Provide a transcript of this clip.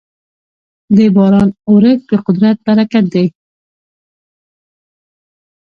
د باران اورښت د قدرت برکت دی.